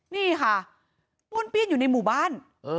นี่ค่ะมุ่นปีนอยู่ในหมู่บ้าน